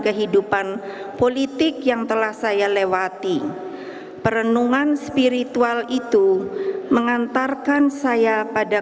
kehidupan politik yang telah saya lewati perenungan spiritual itu mengantarkan saya pada